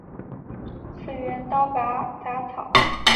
次元刀拔杂草